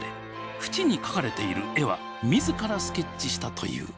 縁に描かれている絵は自らスケッチしたという。